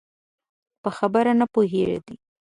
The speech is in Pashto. په خبره نه پوهېدی؟